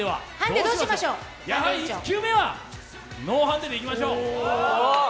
やはり１球目はノーハンデでいきましょう。